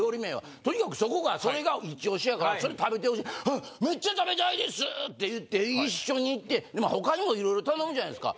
とにかくそこがそれがイチオシやからそれ食べてほしい。って言って一緒に行って他にもいろいろ頼むじゃないですか。